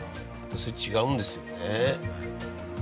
それ違うんですよね。